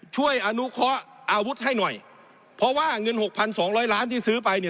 ช่วยอนุเคาะอาวุธให้หน่อยเพราะว่าเงินหกพันสองร้อยล้านที่ซื้อไปเนี่ย